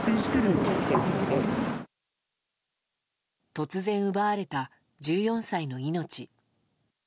突然奪われた１４歳の命。